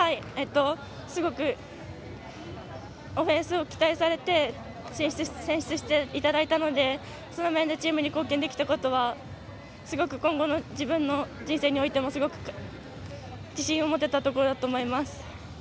すごくオフェンスを期待されて選出していただいたのでその面でチームに貢献できたことはすごく今後の自分の人生においてもすごく自信を持てたところだと思います。